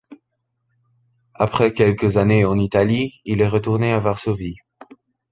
Après quelques années en Italie, il est retourné à Varsovie.